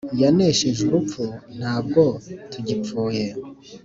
Yaneshej' urupfu ntabwo tugipfuye,